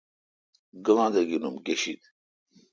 گاں دہ گݨوم گیشد۔؟